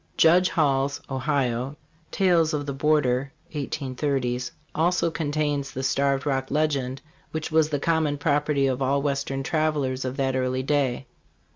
Judge Hall's (Ohio) ' 'Tales of the Border" ( 183 ), also contains the Starved Rock legend, which was the common property of all western travelers of that early day.